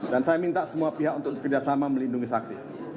dan saya minta semua pihak untuk kerjasama melindungi saksi